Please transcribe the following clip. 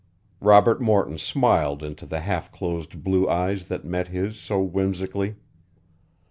Robert Morton smiled into the half closed blue eyes that met his so whimsically.